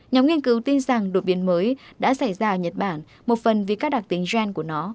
nhóm nghiên cứu tin rằng đột biến mới đã xảy ra ở nhật bản một phần vì các đặc tính gen của nó